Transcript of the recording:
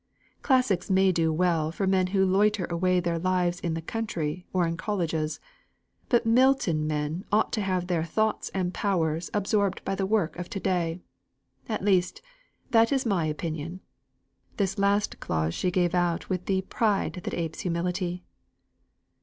Classics may do very well for men who loiter away their lives in the country or in colleges; but Milton men ought to have their thoughts and powers absorbed in the work of to day. At least, that is my opinion." This last clause she gave out with "the pride that apes humility."